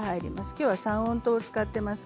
今日は三温糖を使っています。